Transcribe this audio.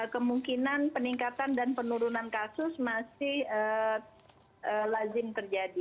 kemungkinan peningkatan dan penurunan kasus masih lazim terjadi